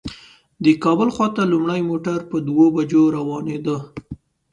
د کابل خواته لومړی موټر په دوو بجو روانېده.